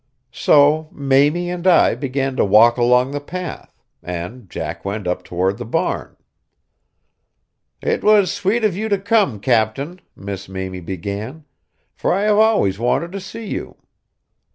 So Mamie and I began to walk along the path, and Jack went up toward the barn. "It was sweet of you to come, captain," Miss Mamie began, "for I have always wanted to see you."